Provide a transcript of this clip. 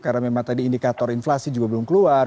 karena memang tadi indikator inflasi juga belum keluar